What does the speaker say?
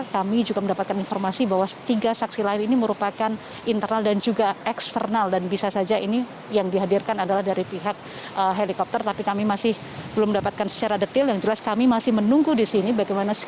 ketua kpk firly bahuri juga menyatakan bahwa dirinya telah membayar secara lunas